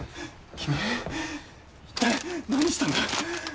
君一体何したんだ！